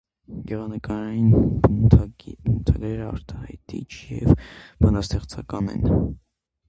Գեղանկարային բնութագրերը արտահայտիչ և բանաստեղծական են։